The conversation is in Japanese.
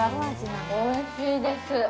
おいしいです。